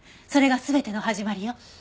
それが全ての始まりよ。